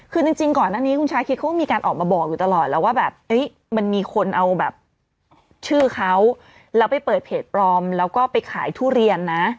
คือจริงก่อนหน้านี้คุณชาคิดเขาก็มีการออกมาบอกอยู่ตลอดแล้วว่าแบบมันมีคนเอาแบบชื่อเขาแล้วไปเปิดเพจปลอมแล้วก็ไปขายทุเรียนนะ